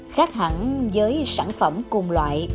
khác hẳn với sản phẩm cùng loại